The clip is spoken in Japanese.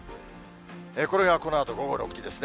これがこのあと午後６時ですね。